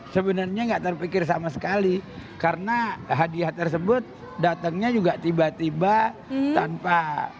sebenarnya nggak terpikir sama sekali karena hadiah tersebut datangnya juga tiba tiba tanpa